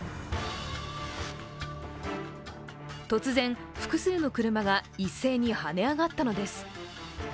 突然、複数の車が一斉にはね上がったのです。